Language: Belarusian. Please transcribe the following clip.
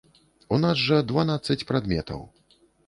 У нас жа дванаццаць прадметаў.